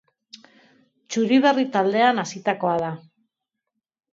Txuri Berri taldean hazitakoa da.